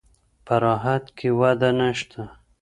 په راحت کې وده نشته.